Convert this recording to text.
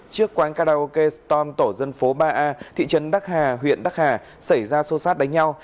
trước quán karaoke stom tổ dân phố ba a thị trấn đắc hà huyện đắc hà xảy ra xô xát đánh nhau